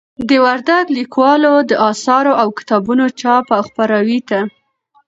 د وردگ ليكوالو د آثارو او كتابونو چاپ او خپراوي ته